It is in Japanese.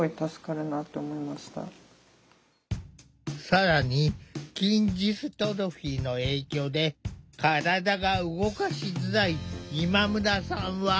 更に筋ジストロフィーの影響で体が動かしづらい今村さんは。